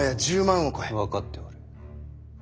分かっておる。